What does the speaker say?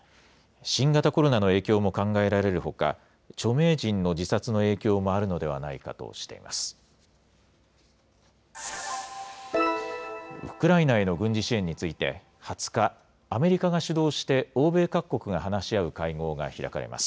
新型コロナの影響も考えられるほか、著名人の自殺の影響もあるのではないかとしています。